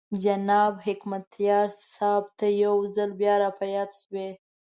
جناب حکمتیار صاحب ته یو ځل بیا را په یاد شوې.